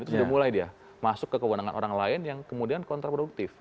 sudah mulai dia masuk ke kewenangan orang lain yang kemudian kontraproduktif